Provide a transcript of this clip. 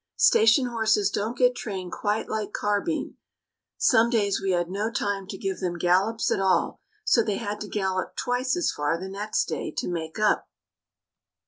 Station horses don't get trained quite like Carbine; some days we had no time to give them gallops at all, so they had to gallop twice as far the next day to make up.